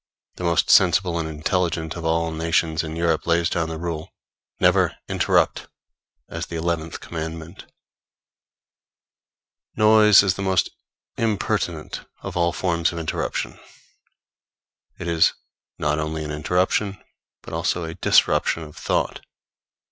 The most sensible and intelligent of all nations in Europe lays down the rule, Never Interrupt! as the eleventh commandment. Noise is the most impertinent of all forms of interruption. It is not only an interruption, but also a disruption of thought.